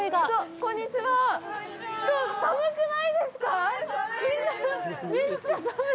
こんにちはー。